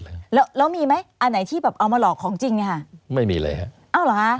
แล้วมีไหมอันไหนที่แบบเอามาหลอกของจริงไม่มีเลยครับ